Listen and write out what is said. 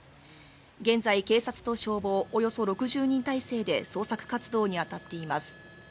現在、警察と消防、およそ６０人態勢で捜索活動に当たっています。